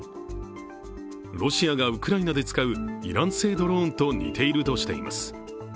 ロシアがウクライナで使うイラン製ドローンと似ているとしています。